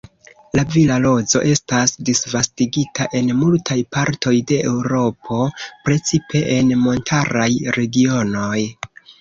La vila rozo estas disvastigita en multaj partoj de Eŭropo precipe en montaraj regionoj.